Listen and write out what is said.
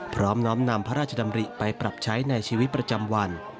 น้อมนำพระราชดำริไปปรับใช้ในชีวิตประจำวัน